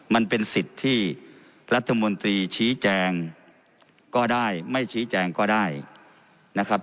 มันเป็นสิทธิ์ที่รัฐมนตรีชี้แจงก็ได้ไม่ชี้แจงก็ได้นะครับ